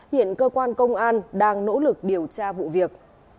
hiện cơ quan công an đang nỗ lực điều tra vụ việc